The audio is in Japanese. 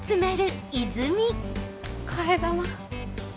替え玉。